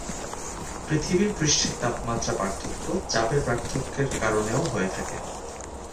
পৃথিবীর পৃষ্ঠের তাপমাত্রা পার্থক্য চাপের পার্থক্য এর কারণেও হয়ে থাকে।